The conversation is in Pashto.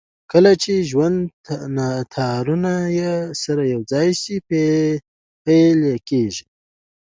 کله چې د ژوند تارونه يې سره يو ځای پييل کېږي.